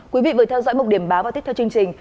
quý vị vừa theo dõi một điểm báo và tiếp theo chương trình